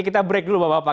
kita break dulu bapak bapak